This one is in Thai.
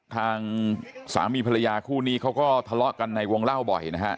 ทางสามีภรรยาคู่นี้เขาก็ทะเลาะกันในวงเล่าบ่อยนะฮะ